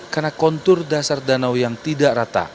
karena kontur dasar danau yang tidak rata